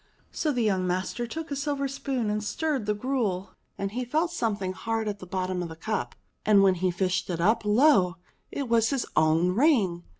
So the young master took a silver spoon and stirred the gruel ; and he felt something hard at the bottom of the cup. And when he fished it up, lo ! it was his own ring